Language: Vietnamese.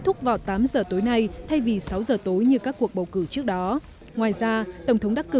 thúc vào tám giờ tối nay thay vì sáu giờ tối như các cuộc bầu cử trước đó ngoài ra tổng thống đắc cử